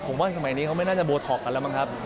ผมว่าสมัยนี้เขาไม่น่าจะโบท็อกกันแล้วมั้งครับ